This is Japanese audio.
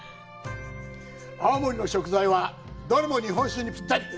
青森の食材はどれも日本酒にピッタリ！